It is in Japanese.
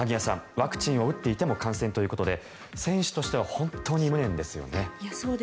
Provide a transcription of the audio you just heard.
ワクチンを打っていても感染ということで選手としては本当に無念ですよね。